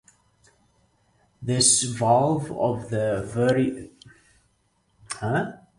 This "valve of the vermiform appendix" is also called Gerlach's valve.